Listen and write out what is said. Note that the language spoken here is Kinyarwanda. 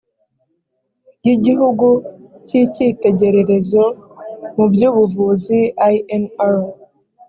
y igihugu y icyitegererezo mu by ubuvuzi lnr